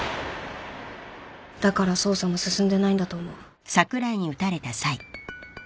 だから捜査も進んでないんだと思う。